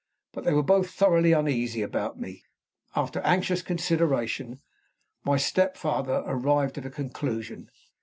But they were both thoroughly uneasy about me. After anxious consideration, my step father arrived at a conclusion.